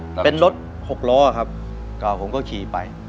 ใช่เป็นรถหกรถครับก็ผมก็ขี่ไป